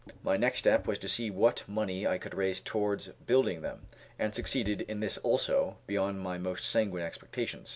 My next step was to see what money I could raise towards building them, and succeeded in this also beyond my most sanguine expectations.